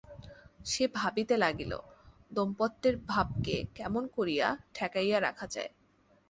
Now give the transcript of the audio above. সে ভাবিতে লাগিল-দোম্পত্যের ভাবকে কেমন করিয়া ঠেকাইয়া রাখা যায়।